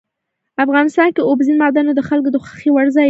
افغانستان کې اوبزین معدنونه د خلکو د خوښې وړ ځای دی.